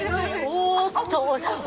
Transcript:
おっと！